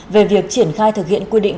về việc triển khai thực hiện quy định